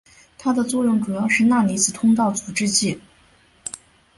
它的作用主要是钠离子通道阻滞剂。